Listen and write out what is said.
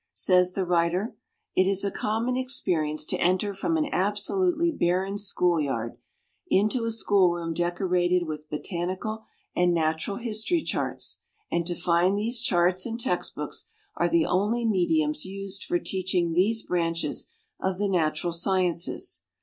Says the writer: "It is a common experience to enter from an absolutely barren schoolyard into a schoolroom decorated with botanical and natural history charts, and to find these charts and text books are the only mediums used for teaching these branches of the natural sciences.